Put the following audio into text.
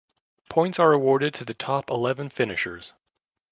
Points are awarded to the top eleven finishers.